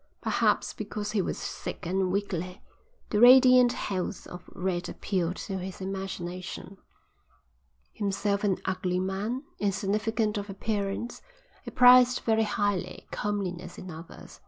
Perhaps because he was sick and weakly, the radiant health of Red appealed to his imagination. Himself an ugly man, insignificant of appearance, he prized very highly comeliness in others.